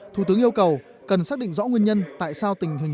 thủ tướng yêu cầu cần xác định rõ nguyên nhân tại sao tình hình